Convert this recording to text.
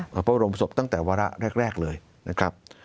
พระบรมศพตั้งแต่วาระแรกเลยนะครับ